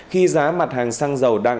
khi giá mặt hàng xăng dầu đang